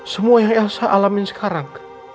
semua yang elsa alamin sekarang